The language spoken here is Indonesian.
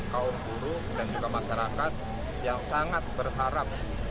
kaum buruh dan juga masyarakat yang sangat berharap